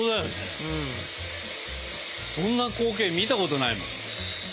そんな光景見たことないもん。